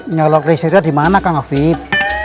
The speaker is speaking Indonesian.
nyolok risetnya dimana kang afid